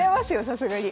さすがに。